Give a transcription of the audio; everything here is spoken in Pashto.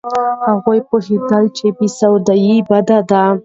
هغه پوهېده چې بې سوادي بده ده.